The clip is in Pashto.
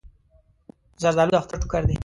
زردالو د اختر ټوکر دی.